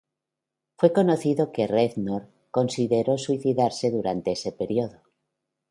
Fue conocido que Reznor consideró suicidarse durante ese período.